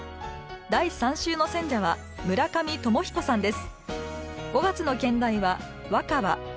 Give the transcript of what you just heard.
第３週の選者は村上鞆彦さんです。